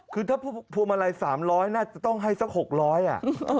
คือถ้าพวงมาลัย๓๐๐น่าจะต้องให้สัก๖๐๐อ่ะ